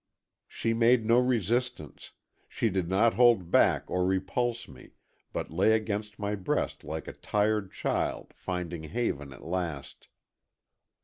She made no resistance, she did not hold back or repulse me, but lay against my breast like a tired child, finding haven at last.